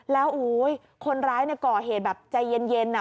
แล้วโอ้ยคนร้ายเนี่ยก่อเหตุแบบใจเย็นเย็นอ่ะ